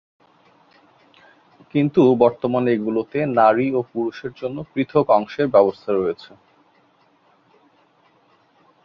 কিন্তু বর্তমানে এগুলোতে নারী ও পুরুষের জন্য পৃথক অংশের ব্যবস্থা রয়েছে।